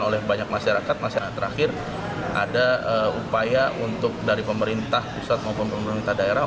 oleh banyak masyarakat masyarakat terakhir ada upaya untuk dari pemerintah pusat maupun pemerintah daerah